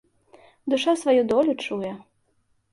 Душа сваю долю чуе.